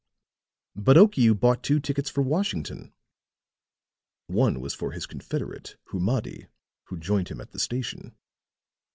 "But Okiu bought two tickets for Washington." "One was for his confederate, Humadi, who joined him at the station."